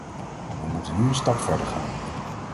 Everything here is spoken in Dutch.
We moeten nu een stap verder gaan.